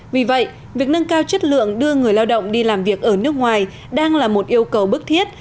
vì vậy việc nâng cao chất lượng đưa người lao động đi làm việc ở nước ngoài đang là một yêu cầu bức thiết